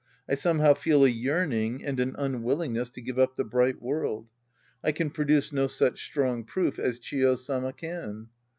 I somehow feel a yearning and an unwillingness to give up the bright world. I can produce no such strong proof as Chio Sama can.